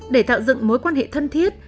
để tạo dựng mối quan hệ thân thiết